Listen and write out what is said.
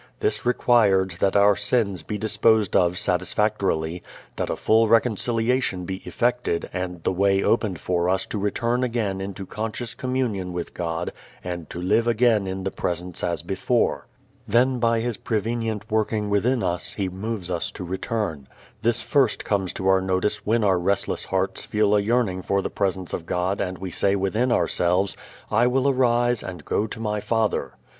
This required that our sins be disposed of satisfactorily, that a full reconciliation be effected and the way opened for us to return again into conscious communion with God and to live again in the Presence as before. Then by His prevenient working within us He moves us to return. This first comes to our notice when our restless hearts feel a yearning for the Presence of God and we say within ourselves, "I will arise and go to my Father."